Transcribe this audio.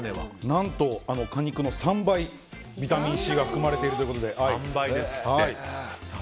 何と、果肉の３倍、ビタミンＣが含まれているということで。